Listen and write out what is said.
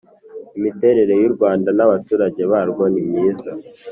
imiterere y'u rwanda n'abaturage barwo, nimyiza